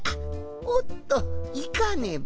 おっといかねば。